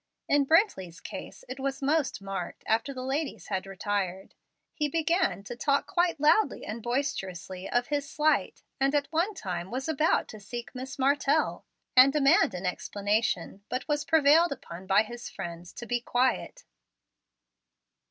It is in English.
In Brently's case it was most marked after the ladies had retired. He began to talk quite loudly and boisterously of his slight, and at one time was about to seek Miss Martell, and demand an explanation, but was prevailed upon by his friends to be quiet.